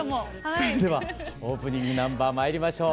それではオープニングナンバーまいりましょう。